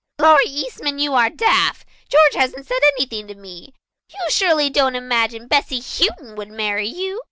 "Lawrie Eastman, you are daft. George hasn't said anything to me. You surely don't imagine Bessy Houghton would marry you.